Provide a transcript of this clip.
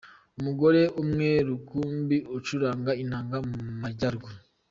Umugore umwe rukumbi ucuranga inanga mu Majyaruguru’.